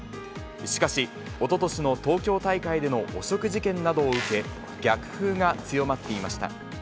しかし、おととしの東京大会での汚職事件などを受け、逆風が強まっていました。